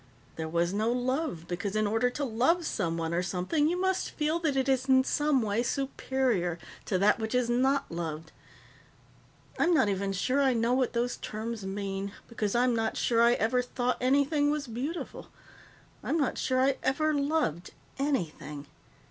There was no love because in order to love someone or something you must feel that it is in some way superior to that which is not loved. I'm not even sure I know what those terms mean, because I'm not sure I ever thought anything was beautiful, I'm not sure I ever loved anything.